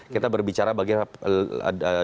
kita berbicara bagaimana